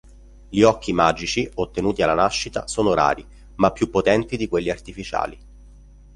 Gli Occhi Magici ottenuti alla nascita sono rari, ma più potenti di quelli artificiali.